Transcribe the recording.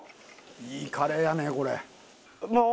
いいカレーやねこれ。